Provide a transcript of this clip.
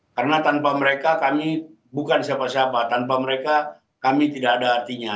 karena tanpa mereka kami bukan siapa siapa tanpa mereka kami tidak ada artinya